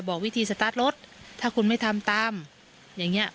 บอกวิธีสตาร์ทรถถ้าคุณไม่ทำตามอย่างเงี้